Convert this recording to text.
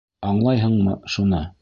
Аңлайһыңмы шуны?!